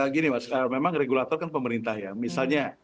gini mas memang regulator kan pemerintah ya misalnya